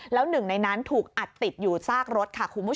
แล้วหนึ่งในนั้นถูกอัดติดอยู่ซากรถ